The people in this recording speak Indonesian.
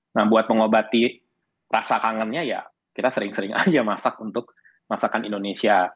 nah buat mengobati rasa kangennya ya kita sering sering aja masak untuk masakan indonesia